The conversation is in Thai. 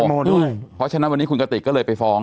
เพราะฉะนั้นวันนี้คุณกติกก็เลยไปฟ้อง